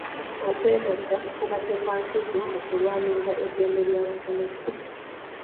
Okwegatta kubadde kwa nkizo mu kulwanirira eddembe ly'abasomesa.